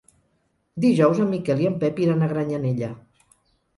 Dijous en Miquel i en Pep iran a Granyanella.